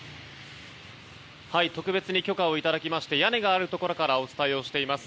特別に許可をいただき屋根があるところからお伝えしています。